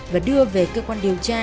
và đưa về cơ quan điều tra